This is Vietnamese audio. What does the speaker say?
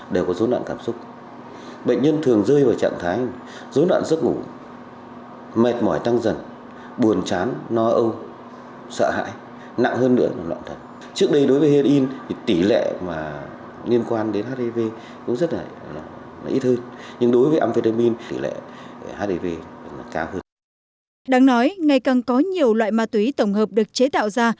đang nói ngày càng có nhiều loại ma túy tổng hợp được chế tạo ra